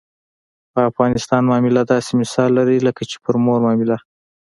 په افغانستان معامله داسې مثال لري لکه چې پر مور معامله.